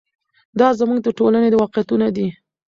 دا زموږ د ټولنې واقعیتونه دي.